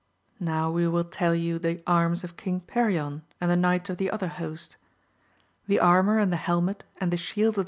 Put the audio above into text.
Now we will tell you the arms of King Perion, and the knights of the other host ; the armour and the helmet, and the shield of 'AMADIS OF GAUL.